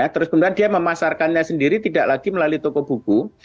terus kemudian dia memasarkannya sendiri tidak lagi melalui toko buku